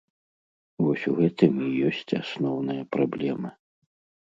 Вось у гэтым і ёсць асноўная праблема.